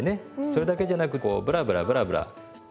それだけじゃなくこうブラブラブラブラ。